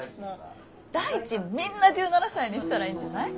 大臣みんな１７才にしたらいいんじゃない？